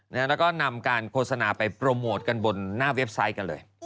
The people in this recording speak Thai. แล้วก็นำการโฆษณาไปโปรโมทกันบนหน้าเว็บไซต์กันเลย